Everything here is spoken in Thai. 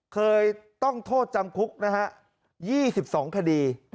เคยต้องโทษจำคุกนะฮะ๒๒คดี